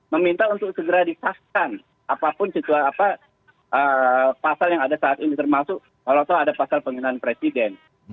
meminta untuk segera disahkan apapun pasal yang ada saat ini termasuk kalau tahu ada pasal penghinaan presiden